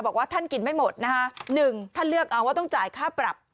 บอกว่าท่านกินไม่หมดนะคะหนึ่งท่านเลือกเอาว่าต้องจ่ายค่าปรับ